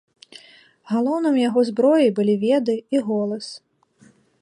Галоўным яго зброяй былі веды і голас.